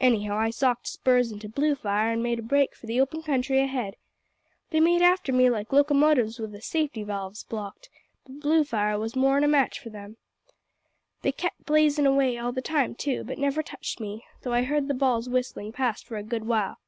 Anyhow I socked spurs into Bluefire, an' made a break for the open country ahead. They made after me like locomotives wi' the safety valves blocked, but Bluefire was more'n a match for 'em. They kep' blazin' away all the time too, but never touched me, though I heard the balls whistlin' past for a good while.